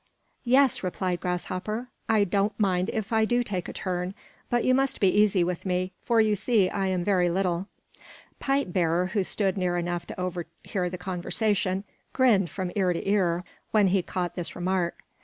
"Yes," replied Grasshopper, "I don't mind if I do take a turn; but you must be easy with me, for you see I am very little." Pipe bearer, who stood near enough to overhear the conversation, grinned from ear to ear when he caught this remark.